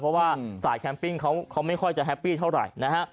เพราะว่าสายแคมปิ้งเขาไม่ค่อยจะแฮปปี้เท่าไหร่นะฮะ